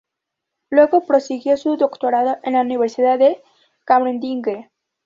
Luego prosiguió su doctorado en la Universidad de Cambridge.